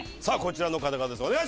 さあこちらの方々です。